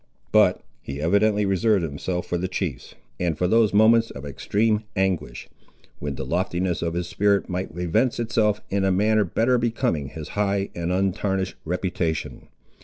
But he evidently reserved himself for the chiefs, and for those moments of extreme anguish, when the loftiness of his spirit might evince itself in a manner better becoming his high and untarnished reputation.